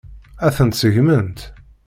Ad tent-seggment?